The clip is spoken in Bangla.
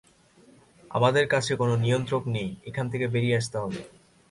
আমাদের কাছে কোন নিয়ন্ত্রক নেই, এখান থেকে বেরিয়ে আসতে হবে।